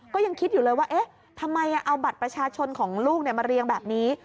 ก็ยังคิดอยู่เลยว่าเอ๊ะทำไมเอาบัตรประชาชนของลูกมาเรียงแบบนี้